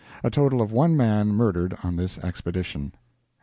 A total of one man murdered on this expedition."